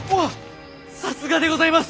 さすがでございます。